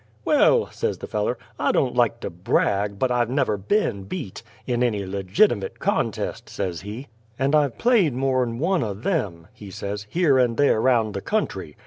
"Well," says the feller, "I don't like to brag, but I've never ben beat in any legitimut contest," says he, "and I've played more'n one o' them," he says, "here and there round the country.